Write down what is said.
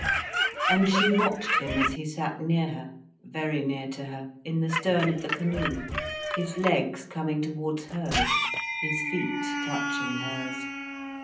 And she watched him as he sat near her, very near to her, in the stern of the canoe, his legs coming towards hers, his feet touching hers.